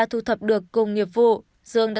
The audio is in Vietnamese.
thu thập được cùng nghiệp vụ dương đã